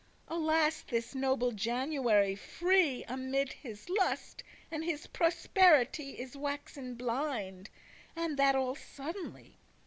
Alas! this noble January free, Amid his lust* and his prosperity *pleasure Is waxen blind, and that all suddenly.